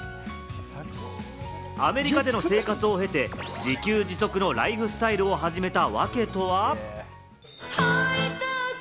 アメリカでの生活を経て、自給自足のライフスタイルを始めた訳とは？